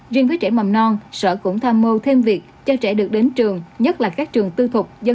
riêng với trẻ mầm non sở cũng tham mưu thêm việc cho trẻ được đến trường